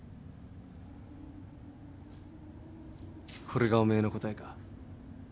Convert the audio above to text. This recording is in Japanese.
これがおめえの答えか？